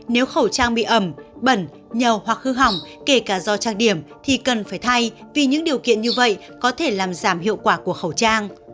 nếu khẩu trang bị ẩm bẩn nhầu hoặc hư hỏng kể cả do trang điểm thì cần phải thay vì những điều kiện như vậy có thể làm giảm hiệu quả của khẩu trang